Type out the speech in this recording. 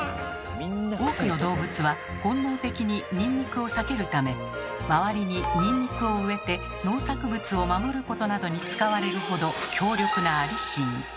多くの動物は本能的にニンニクを避けるため周りにニンニクを植えて農作物を守ることなどに使われるほど強力なアリシン。